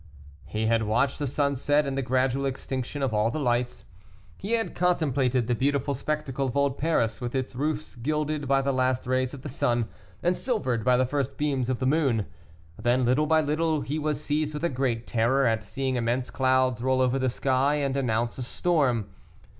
He had watched the sunset and the gradual extinction of all the lights. He had contemplated the beautiful spectacle of old Paris, with its roofs gilded by the last rays of the sun, and silvered by the first beams of the moon; then little by little he was seized with a great terror at seeing immense clouds roll over the sky and announce a storm.